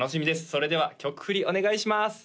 それでは曲振りお願いします